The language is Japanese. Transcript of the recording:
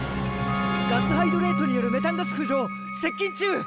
ガスハイドレートによるメタンガス浮上接近中！